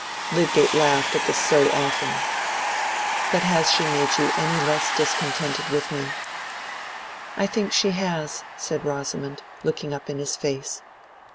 Lydgate laughed at the "so often." "But has she made you any less discontented with me?" "I think she has," said Rosamond, looking up in his face.